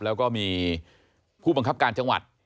แล้วก็มีผู้บังคับการจังหวัด